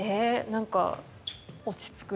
確かに落ち着く。